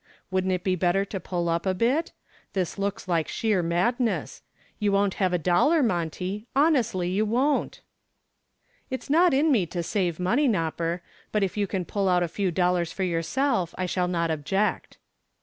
Wouldn't it be better to pull up a bit? This looks like sheer madness. You won't have a dollar, Monty honestly you won't." "It's not in me to save money, Nopper, but if you can pull out a few dollars for yourself I shall not object."